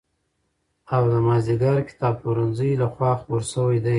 او د مازدېګر کتابپلورنځي له خوا خپور شوی دی.